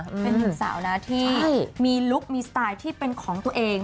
เป็นหนึ่งสาวนะที่มีลุคมีสไตล์ที่เป็นของตัวเอง